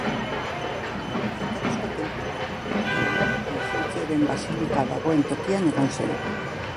Jatorrizko tenplua, agian, Maxentzioren Basilika dagoen tokian egongo zen.